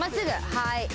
はい。